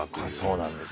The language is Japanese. そうなんです。